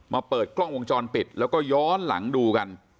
เปิดกล้องวงจรปิดแล้วก็ย้อนหลังดูกัน